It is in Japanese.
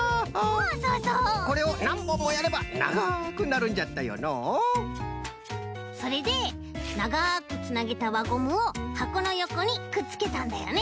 おおそうそうこれをなんぼんもやればながくなるんじゃったよのうそれでながくつなげたわゴムをはこのよこにくっつけたんだよね